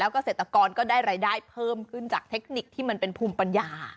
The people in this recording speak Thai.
เกษตรกรก็ได้รายได้เพิ่มขึ้นจากเทคนิคที่มันเป็นภูมิปัญญา